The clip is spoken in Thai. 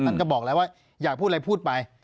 ท่านก็บอกแล้วว่าอยากพูดอะไรพูดไป